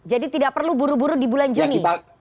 jadi tidak perlu buru buru di bulan juni